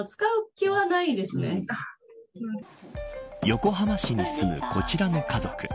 横浜市に住むこちらの家族。